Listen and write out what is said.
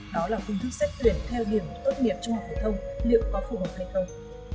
đó là phương thức xét tuyển theo điểm tốt nghiệp trung học phổ thông liệu có phù hợp hay không